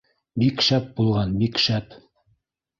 — Бик шәп булған, бик шәп.